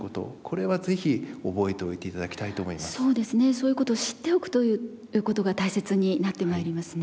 そういうことを知っておくということが大切になってまいりますね。